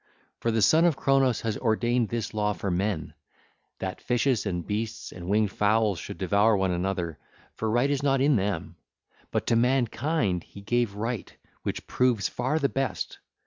For the son of Cronos has ordained this law for men, that fishes and beasts and winged fowls should devour one another, for right is not in them; but to mankind he gave right which proves far the best.